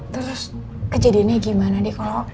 terus kejadiannya gimana deh